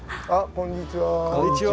こんにちは。